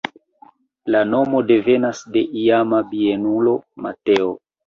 La nomo devenas de iama bienulo Mateo.